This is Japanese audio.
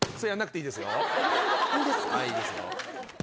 いいですよ。